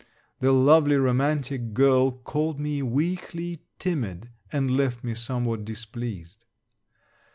The lovely romantic girl called me weakly timid, and left me somewhat displeased.